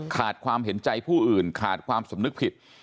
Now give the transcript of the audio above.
ขาดความเห็นใจผู้อื่นขาดความสำนึกผิด